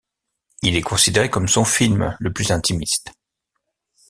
Il est considéré comme son film le plus intimiste.